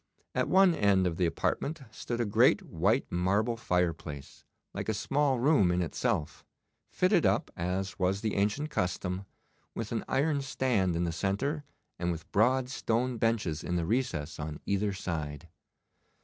At one end of the apartment stood a great white marble fireplace, like a small room in itself, fitted up, as was the ancient custom, with an iron stand in the centre, and with broad stone benches in the recess on either side.